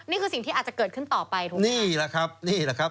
นี่คือสิ่งที่อาจจะเกิดขึ้นต่อไปถูกไหมนี่แหละครับนี่แหละครับ